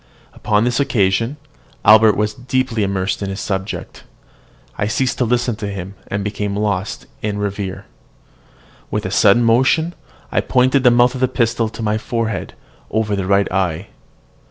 Upon this occasion, Albert was deeply immersed in his subject: I ceased to listen to him, and became lost in reverie. With a sudden motion, I pointed the mouth of the pistol to my forehead, over the right eye.